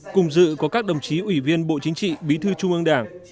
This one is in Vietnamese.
cùng dự có các đồng chí ủy viên bộ chính trị bí thư trung ương đảng